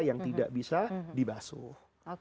yang tidak bisa dibasuh